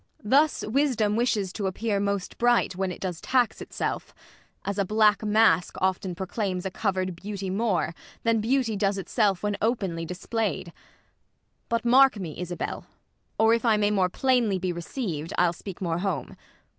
Ang. Thus wisdom wishes to appear most bright, When it does ta.; itself ; as a black mask Often proclaims a cover'd beauty more, Than beauty does itself when openly Displayed. But mark me, Isabell, Or if I may more plainly be receiv'd, I'll speak more home.